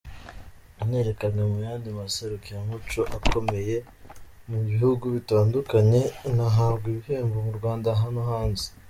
Yanerekanwe mu yandi maserukiramuco akomeye mu bihugu bitandukanye inahabwa ibihembo mu Rwanda no hanze.